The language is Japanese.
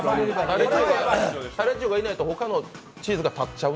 タレッジオがいないと他のチーズがたっちゃう？